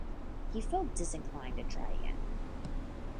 He felt disinclined to try again.